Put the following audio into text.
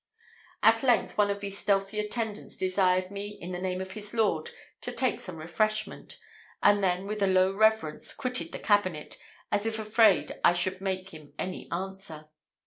At length one of these stealthy attendants desired me, in the name of his lord, to take some refreshment; and then, with a low reverence, quitted the cabinet, as if afraid that I should make him any answer.